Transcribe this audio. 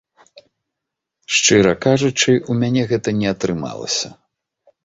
Шчыра кажучы, у мне гэта не атрымалася.